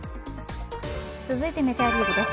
続いてメジャーリーグです。